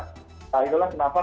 itulah kenapa kita mau berjalan